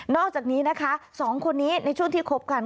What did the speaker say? อกจากนี้นะคะสองคนนี้ในช่วงที่คบกัน